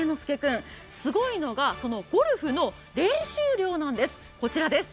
すごいのが、ゴルフの練習量なんです。